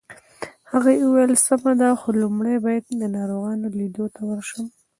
هغې وویل: سمه ده، خو لومړی باید د ناروغانو لیدو ته ورشم.